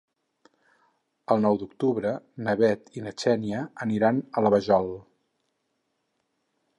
El nou d'octubre na Bet i na Xènia aniran a la Vajol.